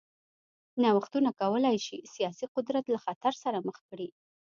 نوښتونه کولای شي سیاسي قدرت له خطر سره مخ کړي.